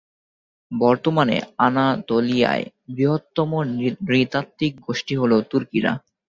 বর্তমানে আনাতোলিয়ায় বৃহত্তম নৃতাত্ত্বিক গোষ্ঠী হল তুর্কিরা।